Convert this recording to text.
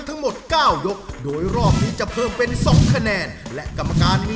พูดกับเด็กซ่าทั้งสองทีมครับ